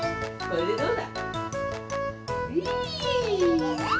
これでどうだ？